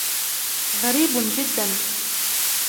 غريب جداً.